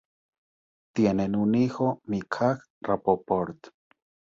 Tienen un hijo Micah Rapoport.